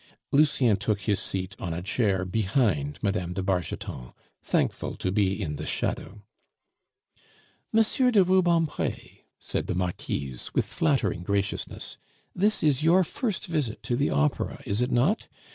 Lucien took his seat on a chair behind Mme. de Bargeton, thankful to be in the shadow. "M. de Rubempre," said the Marquise with flattering graciousness, "this is your first visit to the Opera, is it not?